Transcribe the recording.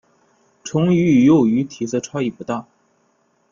成鱼与幼鱼体色差异不大。